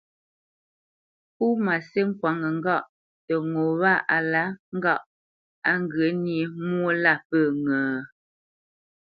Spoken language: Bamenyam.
Pó má sî kwaŋnə́ ŋgâʼ tə ŋo wâ á lǎ ŋgâʼ á ghyə̂ nyé mwô lâ pə́ ŋə?